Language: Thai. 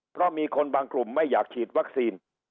เพราะมีคนบางกลุ่มไม่อยากฉีดวัคซีน